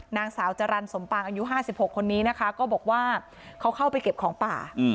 นางสาวจรรย์สมปางอายุ๕๖คนนี้นะคะก็บอกว่าเขาเข้าไปเก็บของป่า